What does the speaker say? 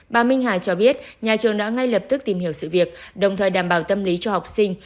bà minh hà cho biết nhà trường đã ngay lập tức tìm hiểu sự việc đồng thời đảm bảo tâm lý cho học sinh